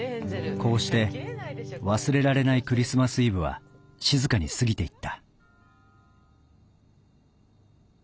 こうして忘れられないクリスマス・イブは静かに過ぎていった